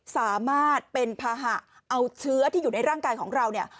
สามารถเป็นภาหะเอาเชื้อที่อยู่ในร่างกายของเราเนี่ย